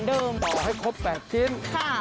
ถ้าไม่มีแบบที่เป็นช่องว่างอยู่